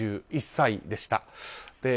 ９１歳でした。